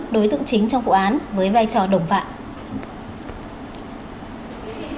đối tượng chính trong vụ án với vai trò đồng phạm